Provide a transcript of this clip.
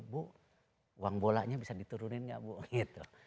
bu uang bolanya bisa diturunin tidak bu